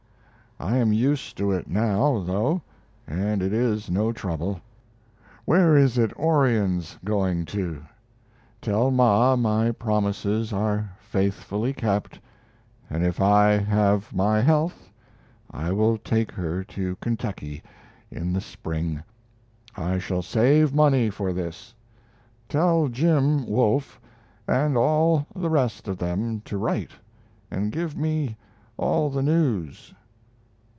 I am used to it now, though, and it is no trouble. Where is it Orion's going to? Tell Ma my promises are faithfully kept; and if I have my health I will take her to Ky. in the spring I shall save money for this. Tell Jim (Wolfe) and all the rest of them to write, and give me all the news....